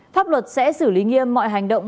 pháp luật sẽ xử lý nghiêm mọi hành động